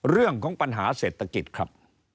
เรื่องของปัญหาเศรษฐกิจครับ